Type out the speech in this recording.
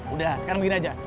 udah sekarang begini aja